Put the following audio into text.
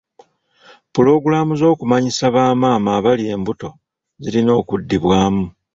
Pulogulaamu z'okumanyisa ba maama abali embuto zirina okuddibwamu.